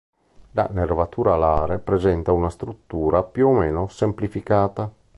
La nervatura alare presenta una struttura più o meno semplificata.